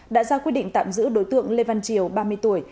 đã ra quyết định tạm giữ đối tượng lê văn triều ba mươi tuổi